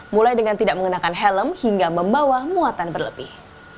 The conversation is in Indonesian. mulai dengan tidak mengenakan helm hingga membawa muatan berlebih